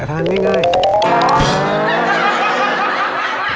ทานนี้ก็ได้